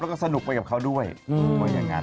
แล้วก็สนุกไปกับเขาด้วยว่าอย่างนั้น